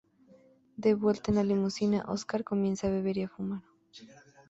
De vuelta en la limusina, Oscar comienza a beber y a fumar.